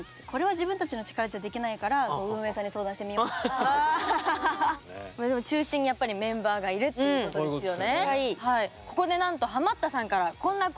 最初にまずは４人でそれでも中心にやっぱりメンバーがいるっていうことですよね。